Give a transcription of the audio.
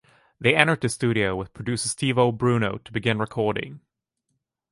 They entered the studio with producer Stevo Bruno to begin recording.